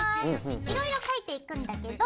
いろいろ描いていくんだけど。